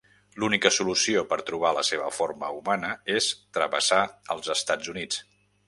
L'única solució per trobar la seva forma humana és travessar els Estats Units.